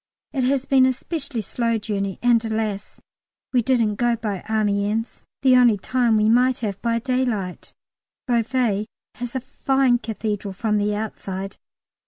It has been a specially slow journey, and, alas! we didn't go by Amiens: the only time we might have, by daylight. Beauvais has a fine Cathedral from the outside.